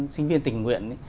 sinh viên tình nguyện